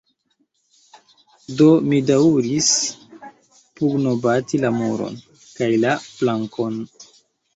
Do, mi daŭris pugnobati la muron, kaj la plankon.